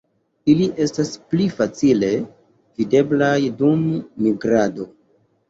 Ili estas pli facile videblaj dum migrado.